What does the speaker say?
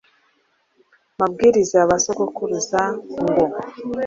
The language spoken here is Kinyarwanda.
mabwiriza ya ba sokuruza n ngo